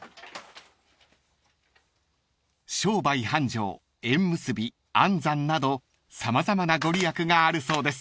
［商売繁昌縁結び安産など様々な御利益があるそうです］